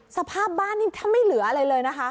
สภาพบ้านนี่แทบไม่เหลืออะไรเลยนะคะ